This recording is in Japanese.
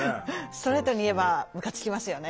ストレートに言えばムカつきますよね。